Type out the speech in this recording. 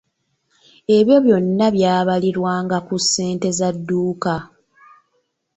Ebyo byonna byabalirwanga ku ssente za dduuka.